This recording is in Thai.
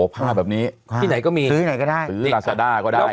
ผ้าแบบนี้ซื้อที่ไหนก็ได้